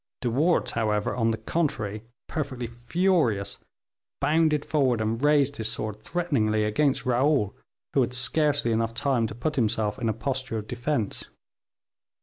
De Wardes, however, on the contrary, perfectly furious, bounded forward and raised his sword, threateningly, against Raoul, who had scarcely enough time to put himself in a posture of defense.